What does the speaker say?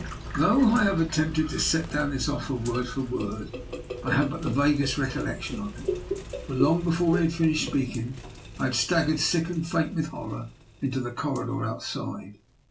Though I have attempted to set down his 12 174 DR. NIKOLA'S EXPERIMENT. oflfer word for word, I have but the vaguest recollection of it ; for, long before he had fin ished speaking, I had staggered, sick and faint with horror, into the corridor outside.